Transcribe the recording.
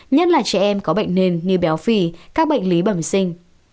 nhất là trẻ em có bệnh nền như béo phì các bệnh lý bẩm sinh